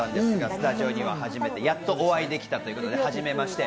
スタジオには初めて、やっとお会いできたということで初めまして。